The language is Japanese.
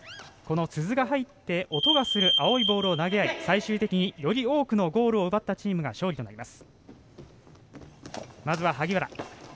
鈴が入って音がする青いボールを投げあい最終的により多くのゴールを奪ったほうが勝利となります。